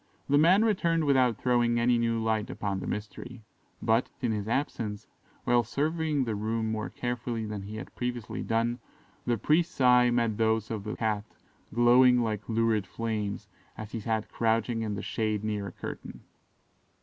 The man returned without throwing any new light upon the mystery; but, in his absence, while surveying the room more carefully than he had previously done, the priest's eye met those of the Cat glowing like lurid flames, as he sat crouching in the shade near a curtain.